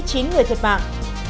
chính người thiệt mạng